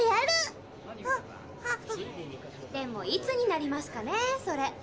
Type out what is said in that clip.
でもいつになりますかねそれ。